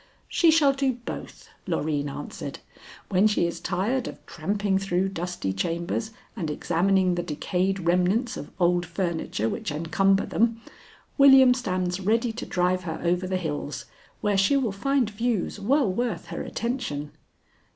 "She shall do both," Loreen answered. "When she is tired of tramping through dusty chambers and examining the decayed remnants of old furniture which encumber them, William stands ready to drive her over the hills, where she will find views well worth her attention."